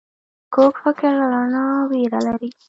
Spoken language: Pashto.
کوږ فکر له رڼا ویره لري